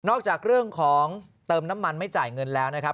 จากเรื่องของเติมน้ำมันไม่จ่ายเงินแล้วนะครับ